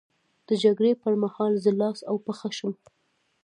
د جګړې پر مهال زه لاس او پښه شم.